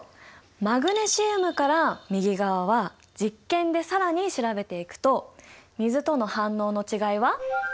マグネシウムから右側は実験で更に調べていくと水との反応の違いはこうなるんだ。